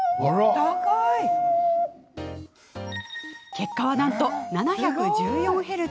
結果は、なんと７１４Ｈｚ。